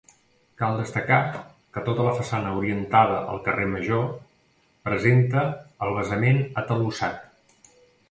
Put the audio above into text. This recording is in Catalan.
Cal destacar que tota la façana orientada al carrer Major presenta el basament atalussat.